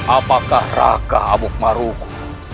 apakah raka amukmarugus